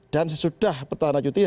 dan sesudah petang cuti